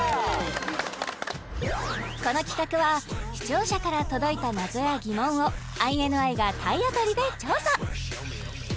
この企画は視聴者から届いた謎や疑問をＩＮＩが体当たりで調査